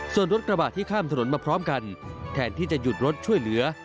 ส่วนรถกระบะที่ข้ามถนนมาพร้อมกันแทนที่จะหยุดรถช่วยเหลือ